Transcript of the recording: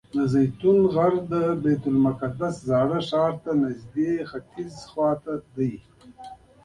د زیتون غر د بیت المقدس زاړه ښار ته نږدې ختیځ خوا ته دی.